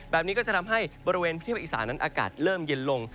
แบบนี้ก็จะทำให้บริเวณพื้นที่ภาคอีสานั้นอากาศเริ่มเย็นลง